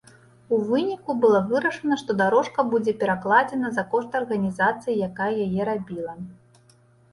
У выніку было вырашана, што дарожка будзе перакладзена за кошт арганізацыі, якая яе рабіла.